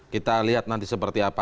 kita lihat nanti seperti apa